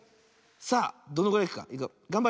さあどんぐらいいくか。